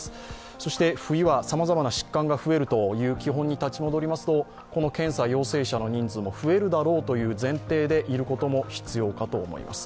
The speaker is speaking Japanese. そして冬はさまざまな疾患が増えるという基本に立ち戻りますと、この検査、陽性者の人数も増えるだろうということを前提に考えるのが必要だと思います